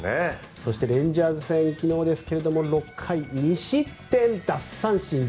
そして、レンジャーズ戦昨日ですが６回、２失点、奪三振１１。